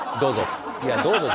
どうぞ。